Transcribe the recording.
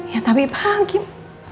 ya tapi pak kim